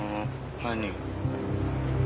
犯人。